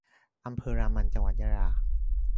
อำเภอรามัน จังหวัดยะลา